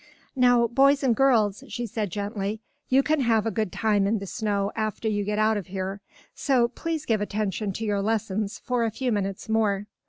"Now, boys and girls," she said gently, "you can have a good time in the snow after you get out of here. So please give attention to your lessons for a few minutes more.